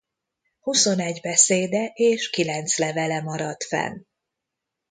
Huszonegy beszéde és kilenc levele maradt fenn.